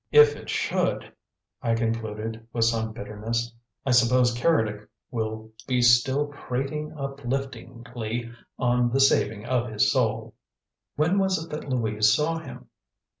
If it should," I concluded, with some bitterness, "I suppose Keredec will be still prating upliftingly on the saving of his soul!" "When was it that Louise saw him?"